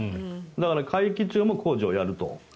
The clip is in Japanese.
だから、会期中も工事をやると。